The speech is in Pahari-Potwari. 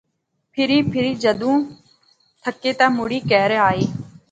پھری پھری جذوں تھکے تے مُڑی کہرا آئے